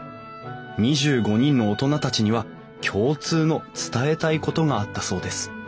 ２５人の大人たちには共通の伝えたいことがあったそうです